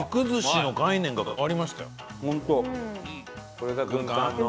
これが軍艦の。